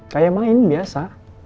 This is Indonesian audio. kayak main biasa